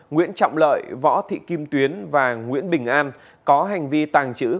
nguyễn trọng lợi võ thị kim tuyến và nguyễn bình an có hành vi tàng trữ